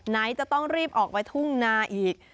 ไหนจะต้องรีบออกไปทุ่งนาอีก